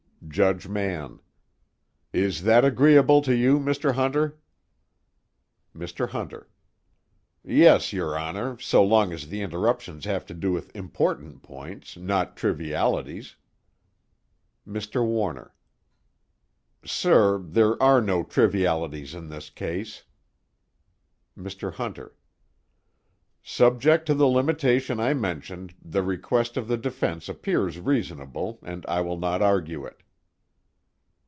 JUDGE MANN: Is that agreeable to you, Mr. Hunter? MR. HUNTER: Yes, your Honor, so long as the interruptions have to do with important points, not trivialities. MR. WARNER: Sir, there are no trivialities in this case. MR. HUNTER: Subject to the limitation I mentioned, the request of the defense appears reasonable, and I will not argue it.